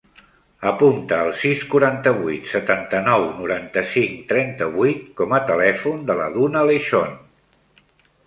Apunta el sis, quaranta-vuit, setanta-nou, noranta-cinc, trenta-vuit com a telèfon de la Duna Lechon.